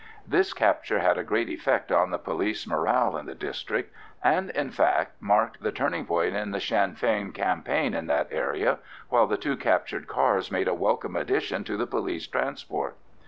This capture had a great effect on the police morale in the district, and, in fact, marked the turning point in the Sinn Fein campaign in that area, while the two captured cars made a welcome addition to the police transport.